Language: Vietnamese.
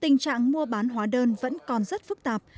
tình trạng mua bán hóa đơn vẫn còn rất phức tạp